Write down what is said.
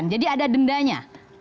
jadi ada dendanya